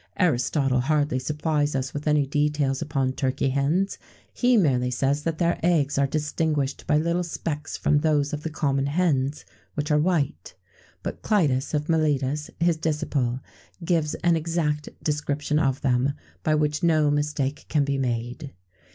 Aristotle hardly supplies us with any details upon turkey hens: he merely says that their eggs are distinguished by little specks from those of the common hens, which are white;[XVII 104] but Clytus of Miletus, his disciple, gives an exact description of them, by which no mistake can be made.